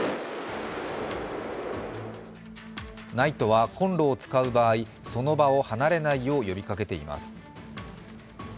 ＮＩＴＥはコンロを使う場合その場を離れないよう呼びかけています。